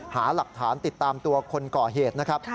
หาหลักฐานติดตามตัวคนก่อเหตุนะครับ